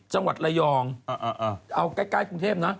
จังหวัดระยองเอาใกล้กรุงเทพนะ